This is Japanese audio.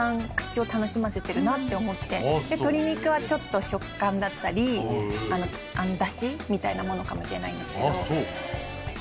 鶏肉はちょっと食感だったりダシみたいなものかもしれないんですけど。